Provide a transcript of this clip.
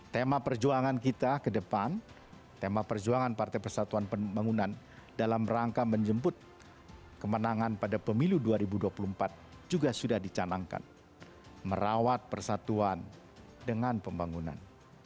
tema perjuangan kita ke depan tema perjuangan partai persatuan pembangunan dalam rangka menjemput kemenangan pada pemilu dua ribu dua puluh empat juga sudah dicanangkan merawat persatuan dengan pembangunan